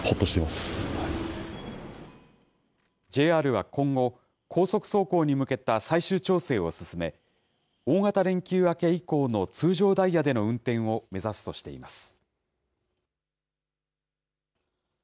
ＪＲは今後、高速走行に向けた最終調整を進め、大型連休明け以降の通常ダイヤでの運転を目指すとしています。